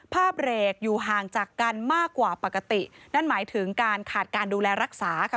เบรกอยู่ห่างจากกันมากกว่าปกตินั่นหมายถึงการขาดการดูแลรักษาค่ะ